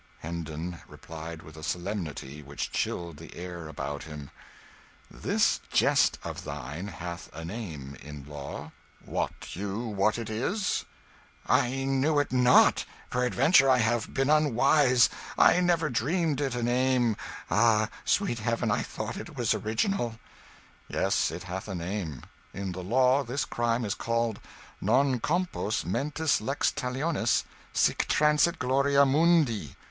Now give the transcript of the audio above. Hendon replied with a solemnity which chilled the air about him "This jest of thine hath a name, in law, wot you what it is?" "I knew it not! Peradventure I have been unwise. I never dreamed it had a name ah, sweet heaven, I thought it was original." "Yes, it hath a name. In the law this crime is called Non compos mentis lex talionis sic transit gloria mundi."